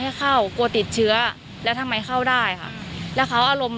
ให้เข้ากลัวติดเชื้อแล้วทำไมเข้าได้ค่ะแล้วเขาอารมณ์